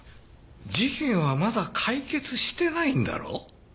事件はまだ解決してないんだろう？